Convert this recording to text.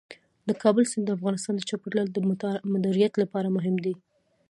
د کابل سیند د افغانستان د چاپیریال د مدیریت لپاره مهم دی.